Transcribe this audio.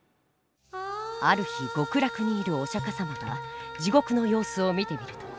ある日極楽にいるお釈迦様が地獄の様子を見てみると。